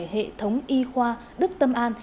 hệ thống y khoa đức tâm an